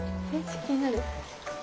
気になる。